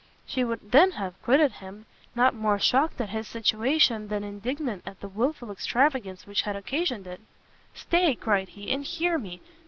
She would then have quitted him, not more shocked at his situation, than indignant at the wilful extravagance which had occasioned it. "Stay," cried he, "and hear me!"